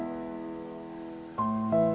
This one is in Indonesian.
gak ada apa apa